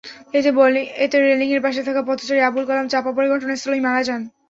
এতে রেলিংয়ের পাশে থাকা পথচারী আবুল কালাম চাপা পড়ে ঘটনাস্থলেই মারা যান।